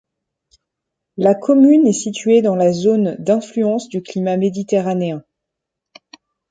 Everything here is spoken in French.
La commune est située dans la zone d’influence du climat méditerranéen.